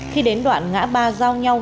khi đến đoạn ngã ba giao nhau